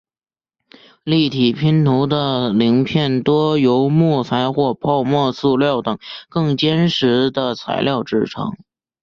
立体拼图的零片多由木材或泡沫塑料等更坚实的材料制成。